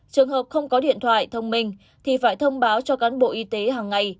trường hợp không có điện thoại thông minh thì phải thông báo cho cán bộ y tế hàng ngày